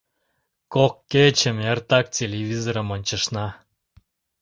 Кок кечым эртак телевизорым ончышна.